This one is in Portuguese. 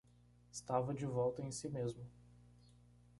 Estava de volta em si mesmo.